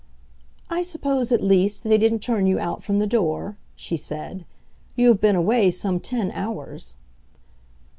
"I suppose, at least, they didn't turn you out from the door;" she said. "You have been away some ten hours."